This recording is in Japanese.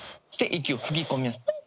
そして息を吹き込み